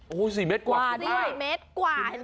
โอ้๔เมตรกว่าเห็นไหม